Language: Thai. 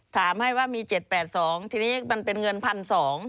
ถามให้ว่ามี๗๘๒ทีนี้มันเป็นเงิน๑๒๐๐บาท